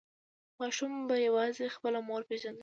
ماشوم به یوازې خپله مور پیژندل.